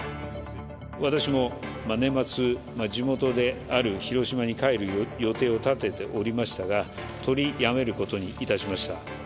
私も年末、地元である広島に帰る予定を立てておりましたが、取りやめることにいたしました。